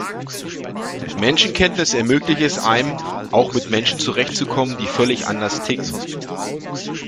Menschenkenntnis ermöglicht es einem, auch mit Menschen zurecht zu kommen, die völlig anders ticken.